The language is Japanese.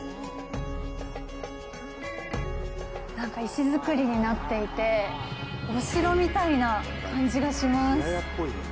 なんか石造りになっていて、お城みたいな感じがします。